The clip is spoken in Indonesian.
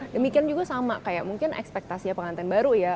demikian juga sama kayak mungkin ekspektasinya pengantin baru ya